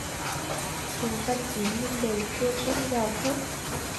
Trùm chăn kín đầu nhưng phương vẫn gào thét